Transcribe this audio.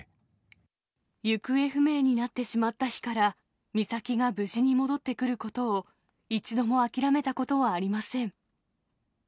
行方不明になってしまった日から、美咲が無事に戻ってくることを、一度も諦めたことはありません。